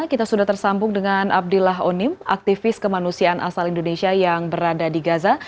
kita sudah tersambung dengan abdillah onim aktivis kemanusiaan asal indonesia yang berada di gaza